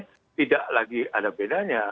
sekarang menurut saya tidak lagi ada bedanya